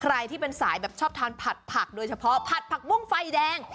ใครที่เป็นสายแบบชอบทานผัดผักโดยเฉพาะผัดผักบุ้งไฟแดง